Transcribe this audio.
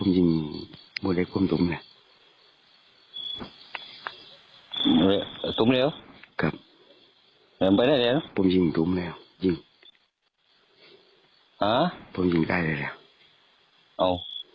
ยิงถุ้มแล้วยิงผมยิงใกล้เลยแล้ว